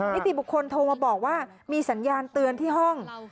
นิติบุคคลโทรมาบอกว่ามีสัญญาณเตือนที่ห้อง